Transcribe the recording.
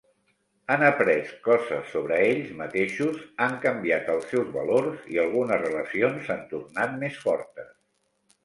Han après coses sobre ells mateixos, han canviat els seus valors i algunes relacions s'han tornat més fortes.